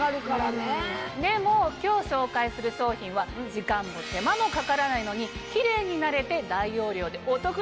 でも今日紹介する商品は時間も手間もかからないのにキレイになれて大容量でお得なんだって。